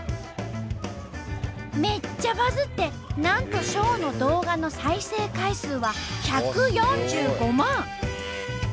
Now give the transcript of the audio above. めっちゃバズってなんとショーの動画の再生回数は１４５万！